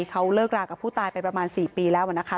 เขาเลิกรากับผู้ตายไปประมาณ๔ปีแล้วนะคะ